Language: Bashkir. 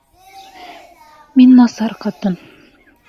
Мин насар ҡатын...